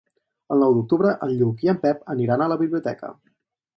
El nou d'octubre en Lluc i en Pep aniran a la biblioteca.